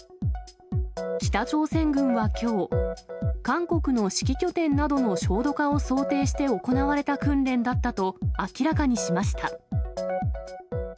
北朝鮮軍はきょう、韓国の指揮拠点などの焦土化を想定して行われた訓練だったと明らかにしました。